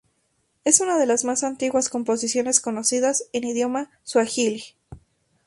Es una de las más antiguas composiciones conocidas en idioma suajili.